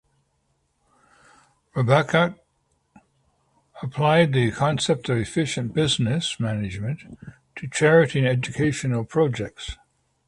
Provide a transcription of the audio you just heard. Rybakov applied the concepts of efficient business management to charity and educational projects.